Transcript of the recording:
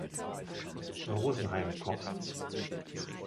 Rosenheim Cops